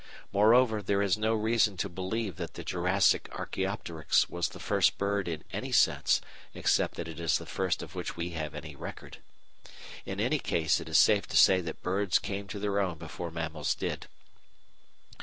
Moreover, there is no reason to believe that the Jurassic Archæopteryx was the first bird in any sense except that it is the first of which we have any record. In any case it is safe to say that birds came to their own before mammals did.